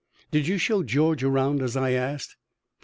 "Did you show George around, as I asked?"